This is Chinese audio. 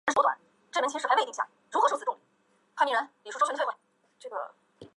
所罗门航空提供从市内的基拉基拉机场前往首都霍尼亚拉和其他目的地的航班。